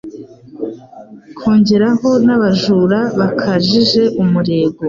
kongeraho n'abajura bakajije umurego.